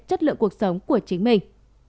chất lượng cuộc sống của chính mình